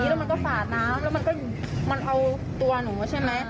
แล้วมันก็สาดน้ำแล้วมันก็มันเอาตัวหนูใช่ไหม